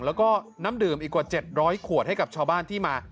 แล้วก็น้ำดื่มอีกกว่า๗๐๐ขวดให้กับชาวบ้านที่มา